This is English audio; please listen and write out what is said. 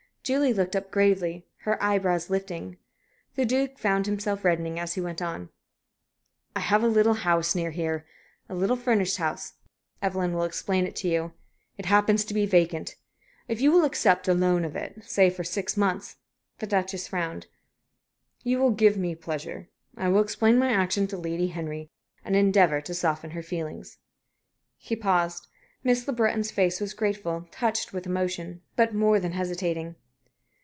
Julie looked up gravely, her eyebrows lifting. The Duke found himself reddening as he went on. "I have a little house near here a little furnished house Evelyn will explain to you. It happens to be vacant. If you will accept a loan of it, say for six months" the Duchess frowned "you will give me pleasure. I will explain my action to Lady Henry, and endeavor to soften her feelings." He paused. Miss Le Breton's face was grateful, touched with emotion, but more than hesitating.